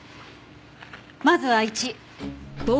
まずは１。